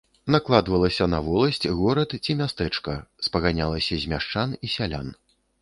Накладвалася на воласць, горад ці мястэчка, спаганялася з мяшчан і сялян.